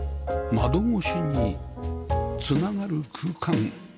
窓越しに繋がる空間